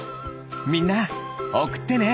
みんなおくってね！